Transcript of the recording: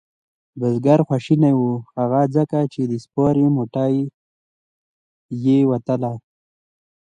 بزگر خواشینی و هغه ځکه چې د سپارې موټۍ یې وتله.